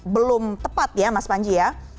belum tepat ya mas panji ya